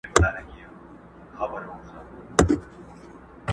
د ګیدړ په باټو ډېر په ځان غره سو.!